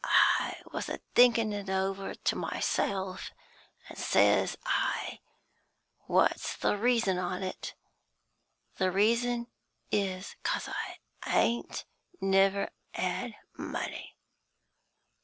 I was a thinkin' of it over to myself, and, says I, 'What's the reason on it?' The reason is, 'cos I ain't never 'ad money.